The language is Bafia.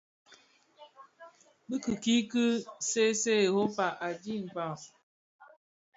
Bi ki ki see see Europa, adhi kpaa,